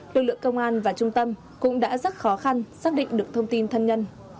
lực lượng công an và trung tâm cũng đã rất khó khăn xác định được thông tin thân nhân